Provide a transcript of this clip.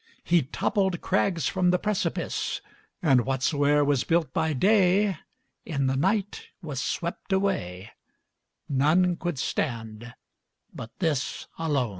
He toppled crags from the precipice, And whatsoe'er was built by day In the night was swept away; None could stand but this alone.